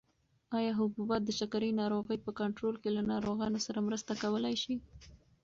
ایا حبوبات د شکرې ناروغۍ په کنټرول کې له ناروغانو سره مرسته کولای شي؟